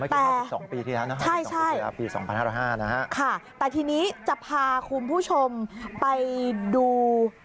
แต่ใช่ค่ะแต่ทีนี้จะพาคุณผู้ชมไปดู